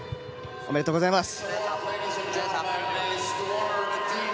ありがとうございます。